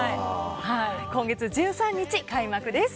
今月１３日、開幕です。